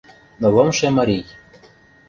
Нылымше марий.